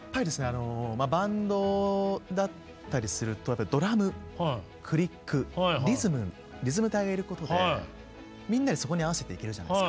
あのバンドだったりするとドラムクリックリズムリズム隊がいることでみんなでそこに合わせていけるじゃないですか。